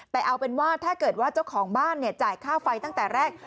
แต่เอาเป็นว่าถ้าเกิดว่าเจ้าของบ้านจ่ายค่าไฟตั้งแต่แรก